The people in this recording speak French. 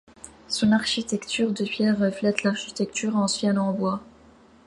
Son architecture de pierre reflète l'architecture ancienne en bois.